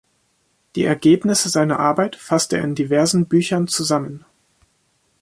Die Ergebnisse seiner Arbeit fasste er in diversen Büchern zusammen.